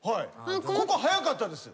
ここ早かったです。